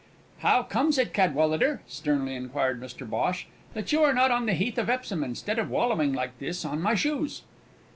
"How comes it, Cadwallader," sternly inquired Mr Bhosh, "that you are not on the heath of Epsom instead of wallowing like this on my shoes?"